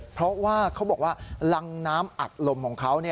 เพราะว่าเขาบอกว่ารังน้ำอัดลมของเขา